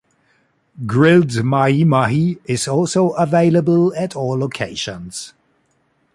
Grilled mahi-mahi is also available at all locations.